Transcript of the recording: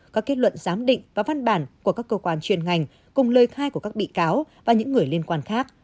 các kết luận giám định và văn bản của các cơ quan chuyên ngành cùng lời khai của các bị cáo và những người liên quan khác